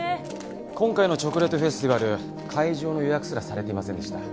今回のチョコレートフェスティバル会場の予約すらされていませんでした。